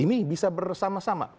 ini bisa bersama sama